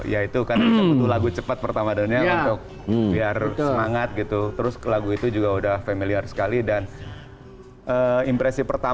ya itu karena itu lagu cepat pertama dan yang lain untuk biar semangat gitu terus lagu itu juga udah familiar sekali dan impresi pertama itu